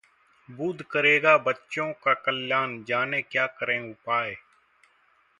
बुध करेगा बच्चों का कल्याण, जानें क्या करें उपाय